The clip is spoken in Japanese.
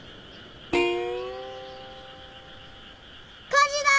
火事だ！